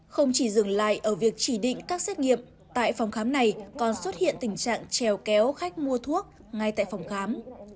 không chỉ dừng lại ở việc chỉ định các xét nghiệm tại phòng khám này còn xuất hiện tình trạng trèo kéo khách mua thuốc ngay tại phòng khám